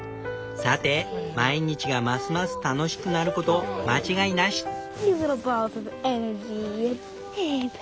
さて毎日がますます楽しくなること間違いなし！